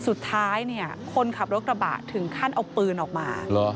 สุดท้ายเนี่ยคนขับรถกระบะถึงขั้นเอาปืนออกมา